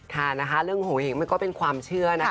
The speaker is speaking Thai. ค่ะนะคะเรื่องโหเห้งมันก็เป็นความเชื่อนะคะ